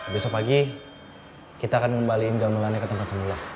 besok pagi kita akan kembalikan gangguannya ke tempat semula